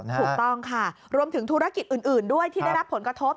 ถูกต้องค่ะรวมถึงธุรกิจอื่นด้วยที่ได้รับผลกระทบ